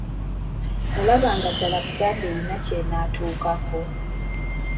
Olaba nga ddala Buganda erina ky'enaatuukako?